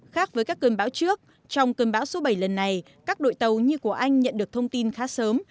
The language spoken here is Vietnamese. khác với các cơn bão trước trong cơn bão số bảy lần này các đội tàu như của anh nhận được thông tin khá sớm